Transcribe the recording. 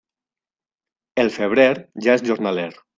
El febrer ja és jornaler.